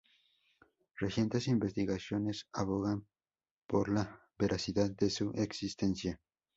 Recientes investigaciones abogan por la veracidad de su existencia.